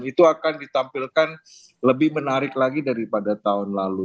itu akan ditampilkan lebih menarik lagi daripada tahun lalu